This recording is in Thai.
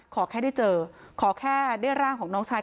ขอแค่ได้เจอขอแค่ได้ร่างของน้องชาย